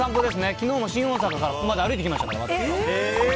きのうは新大阪からここまで歩いてきましたから。